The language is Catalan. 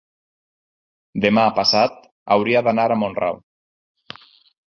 demà passat hauria d'anar a Mont-ral.